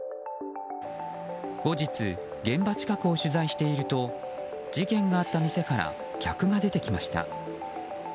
後日、現場近くを取材していると事件があった店から客が出てきました。